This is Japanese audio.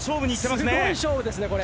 すごい勝負ですねこれ。